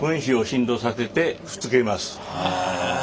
へえ。